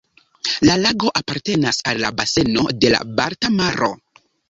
La lago apartenas al la baseno de la Balta Maro.